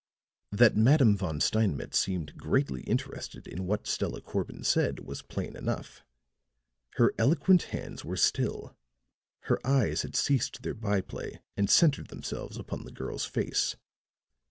That Madame Von Steinmetz seemed greatly interested in what Stella Corbin said was plain enough; her eloquent hands were still; her eyes had ceased their byplay and centered themselves upon the girl's face.